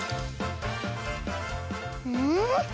うん！